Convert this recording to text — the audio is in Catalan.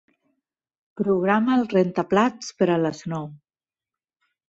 Programa el rentaplats per a les nou.